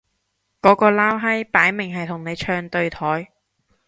嗰個撈閪擺明係同你唱對台